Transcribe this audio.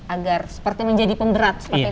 agar seperti menjadi penderat seperti itu ya